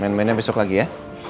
main mainnya besok lagi ya